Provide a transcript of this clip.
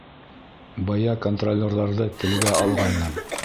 Бая контролерҙарҙы телгә алғайным.